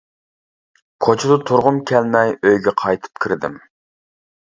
كوچىدا تۇرغۇم كەلمەي، ئۆيگە قايتىپ كىردىم.